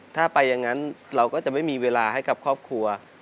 ถ้าไปอย่างนั้นเราก็จะไม่มีเวลาให้กับครอบครัว